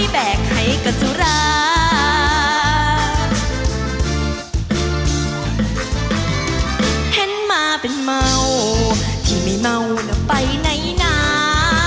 แมทมาเป็นเมาที่ไม่เมาต้อนน้ำไปในหน้า